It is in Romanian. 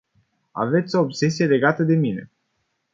Aveți o obsesie legată de mine.